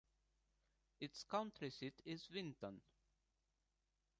Its county seat is Vinton.